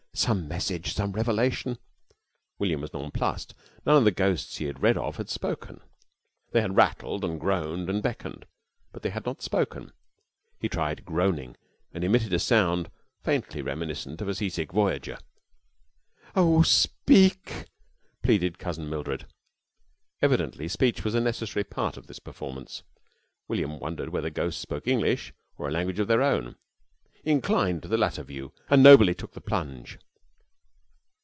Some message! Some revelation." William was nonplussed. None of the ghosts he had read of had spoken. They had rattled and groaned and beckoned, but they had not spoken. He tried groaning and emitted a sound faintly reminiscent of a sea sick voyager. "Oh, speak!" pleaded Cousin Mildred. Evidently speech was a necessary part of this performance. William wondered whether ghosts spoke English or a language of their own. He inclined to the latter view and nobly took the plunge.